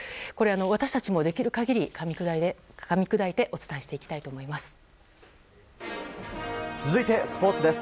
私たちもできる限りかみ砕いてお伝えしていきます。